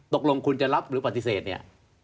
ตกลงคุณจะรับหรือปฏิเสธเนี่ย